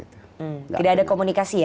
tidak ada komunikasi ya